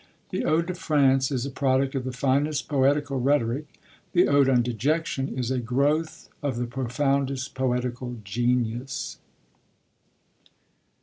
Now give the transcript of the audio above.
The ode to France is a product of the finest poetical rhetoric; the ode on Dejection is a growth of the profoundest poetical genius.